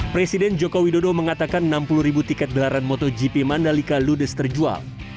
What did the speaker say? presiden joko widodo mengatakan enam puluh ribu tiket gelaran motogp mandalika ludes terjual